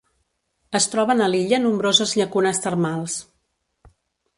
Es troben a l'illa nombroses llacunes termals.